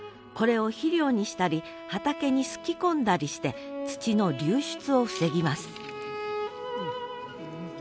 これを肥料にしたり畑にすき込んだりして土の流出を防ぎます